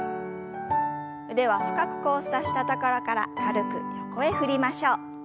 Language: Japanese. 腕は深く交差したところから軽く横へ振りましょう。